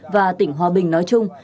và tỉnh hòa bình nói chung